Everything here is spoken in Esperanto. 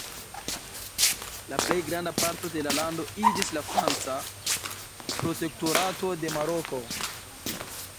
La plej granda parto de la lando iĝis la Franca protektorato de Maroko.